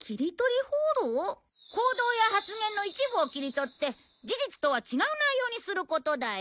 行動や発言の一部を切り取って事実とは違う内容にすることだよ。